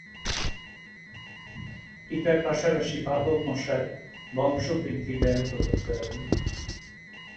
টিকার পাশাপাশি বাহক মশার বংশবৃদ্ধি ব্যাহত করতে হবে।